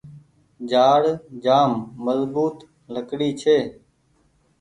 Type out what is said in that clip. جآڙ جآم مزبوت لڪڙي ڇي۔